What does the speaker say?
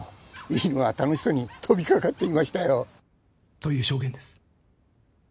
犬は楽しそうに飛び掛かっていましたよという証言です。